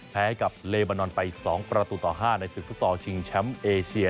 แพ้กับเลบานอนไป๒ประตูต่อ๕ในศึกฟุตซอลชิงแชมป์เอเชีย